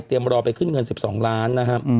รอไปขึ้นเงิน๑๒ล้านนะครับ